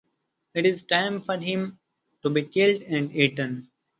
It is time for him to be killed and eaten.